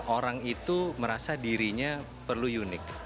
orang itu merasa dirinya perlu unik